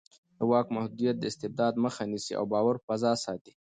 د واک محدودیت د استبداد مخه نیسي او د باور فضا ساتي